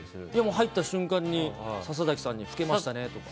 入った瞬間に笹崎さんに老けましたねとか。